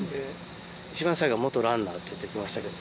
一番最後は元ランナーって言って出ましたけど。